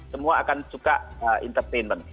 semua akan suka entertainment